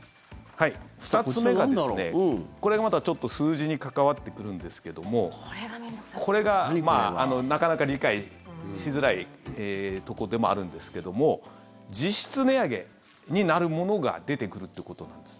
２つ目がこれがまたちょっと数字に関わってくるんですけどもこれがなかなか理解しづらいところでもあるんですけども実質値上げになるものが出てくるってことなんです。